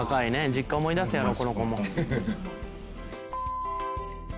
実家思い出すやろこの子も」